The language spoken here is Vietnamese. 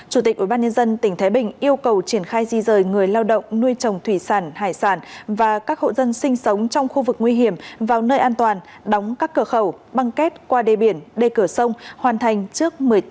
chủ tịch ubnd tỉnh thái bình yêu cầu triển khai di rời người lao động nuôi trồng thủy sản hải sản và các hộ dân sinh sống trong khu vực nguy hiểm vào nơi an toàn đóng các cửa khẩu băng kép qua đề biển đề cửa sông hoàn thành trước một mươi tám giờ ngày hôm nay